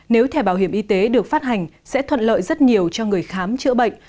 nếu thẻ bảo hiểm y tế được phát hành sẽ thuận lợi rất nhiều cho người khám chữa bệnh